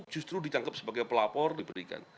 justru ditangkap sebagai pelapor diberikan